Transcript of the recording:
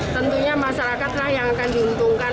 tentunya masyarakatlah yang akan diuntungkan